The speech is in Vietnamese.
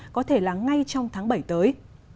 có thể là ngay trong tháng bảy tới